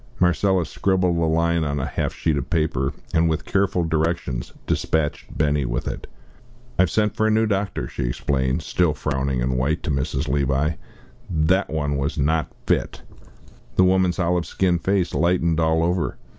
Marcella scribbled a line on a half sheet of paper, and, with careful directions, despatched Benny with it. "I have sent for a new doctor," she explained, still frowning and white, to Mrs. Levi. "That one was not fit." The woman's olive skinned face lightened all over.